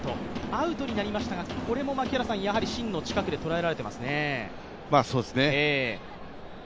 アウトになりましたが、これも芯の近くで捉えられていますね。